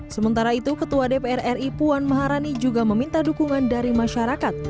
sementara itu ketua dpr ri puan maharani juga meminta dukungan dari masyarakat